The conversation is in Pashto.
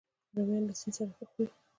رومیان له سیند سره ښه خوري